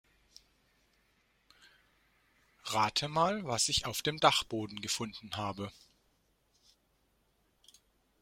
Rate mal, was ich auf dem Dachboden gefunden habe.